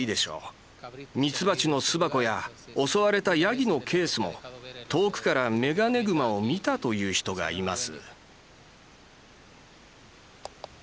蜜蜂の巣箱や襲われたヤギのケースも遠くからメガネグマを見たという人がいます。